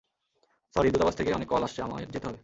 Sorry, দূতাবাস থেকে অনেক কল আসছে, আমার যেতে হবে।